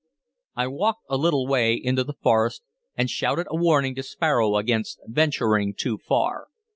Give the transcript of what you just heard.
I walked a little way into the forest, and shouted a warning to Sparrow against venturing too far.